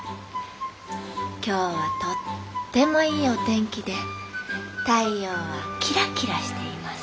今日はとってもいいお天気で太陽はキラキラしています。